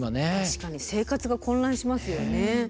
確かに生活が混乱しますよね。